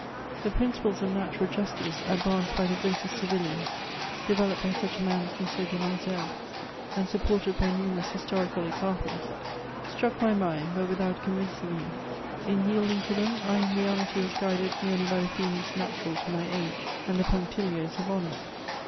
The principles of natural justice, advanced by the greatest civilians, developed by such a man as M. de Malesherbes, and supported by numerous historical examples, struck my mind, but without convincing me : in yielding to them, I in reality was guided merely by tibe feelings natural to my age, and the punctilios of honour.